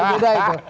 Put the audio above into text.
itu beda itu